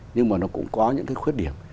nhưng mà nó cũng có những cái khuyết điểm